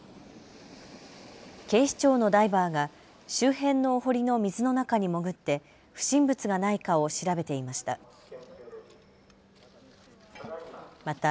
警視庁のダイバーが周辺のお堀の水の中に潜って不審物がないかを調べていました。